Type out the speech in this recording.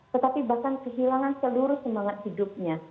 tetapi bahkan kehilangan seluruh semangat hidupnya